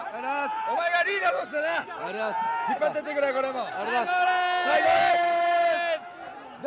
おまえがリーダーとしてな引っ張っててくれこれからも最高だ。